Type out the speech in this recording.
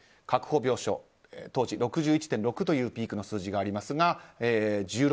確保病床は当時６１．６％というピークの数字がありますが１６％。